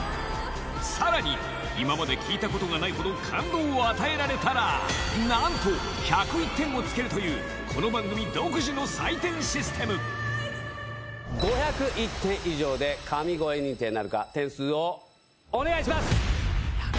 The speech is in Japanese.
さらに今まで聞いたことがないほど感動を与えられたらなんと１０１点をつけるというこの番組独自の採点システム点数をお願いします！